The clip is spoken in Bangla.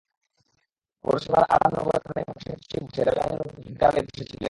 পৌরসভার আরামনগর কামিল মাদ্রাসার পশ্চিম পাশে রেললাইনের ওপর জুলফিকার আলী বসে ছিলেন।